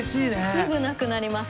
すぐなくなります。